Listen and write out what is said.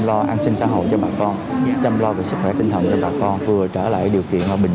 lo an sinh xã hội cho bà con chăm lo về sức khỏe tinh thần cho bà con vừa trở lại điều kiện hòa bình